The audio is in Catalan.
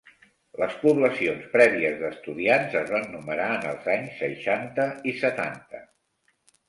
Les poblacions prèvies d'estudiants es van numerar en els anys seixanta i setanta.